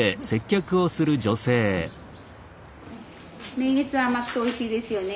名月は甘くておいしいですよね。